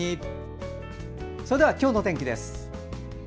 それでは今日の天気です。